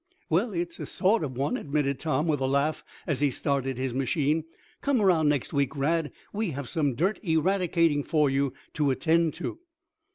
"Well, it's a sort of one," admitted Tom, with a laugh as he started his machine. "Come around next week, Rad. We have some dirt eradicating for you to attend to."